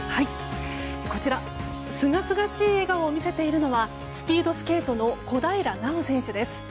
こちら、すがすがしい笑顔を見せているのはスピードスケートの小平奈緒選手です。